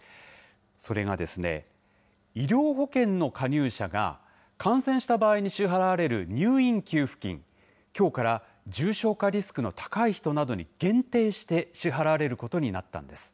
それが医療保険の加入者が、感染した場合に支払われる入院給付金、きょうから重症化リスクの高い人などに限定して支払われることになったんです。